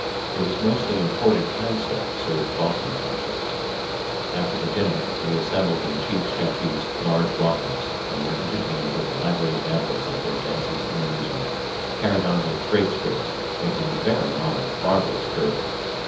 It was mostly imported canned stuff served Boston fashion. After the dinner we assembled in Chief Shakes's large block house and were entertained with lively examples of their dances and amusements, carried on with great spirit, making a very novel barbarous durbar.